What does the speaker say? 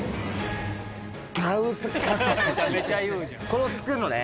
これを作るのね。